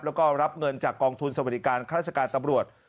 แล้วก็รับเงินจากกองทุนสวริการฆาตรศกาลตำรวจ